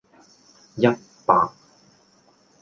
一百